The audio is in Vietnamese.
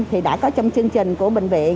thì đã có trong chương trình của bệnh viện